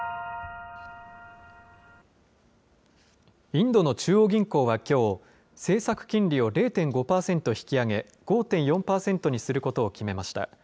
インドの中央銀行はきょう、政策金利を０．５％引き上げ、５．４％にすることを決めました。